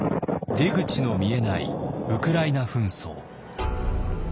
出口の見えないウクライナ紛争。